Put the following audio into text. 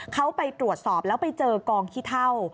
เขาไปตรวจสอบแล้วไปเจอกองขี้เท่า